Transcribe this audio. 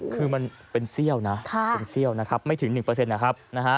คือมันเป็นเสี้ยวนะไม่ถึง๑เปอร์เซ็นต์นะครับ